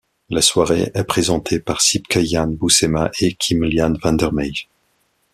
La soirée est présentée par Sipke Jan Bousema et Kim-Lian van der Meij.